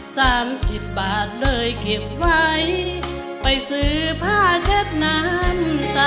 สามสิบบาทเลยเก็บไว้ไปซื้อผ้าเช็ดน้ำตา